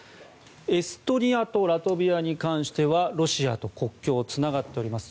エストニアとラトビアに関してはロシアと国境がつながっています。